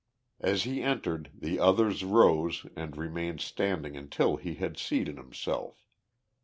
As he entered the others rose and remained standing until he had seated himself.